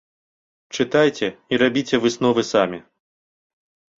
Чытайце і рабіце высновы самі.